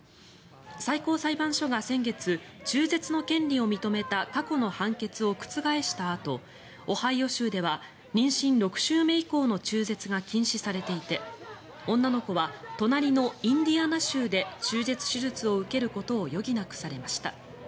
最高裁判所が先月中絶の権利を認めた過去の判決を覆したあとオハイオ州では妊娠６週目以降の中絶が禁止されていて女の子は隣のインディアナ州で中絶手術を受けることを余儀なくされました。